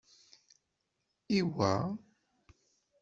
Iwa?